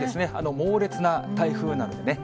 猛烈な台風なのでね。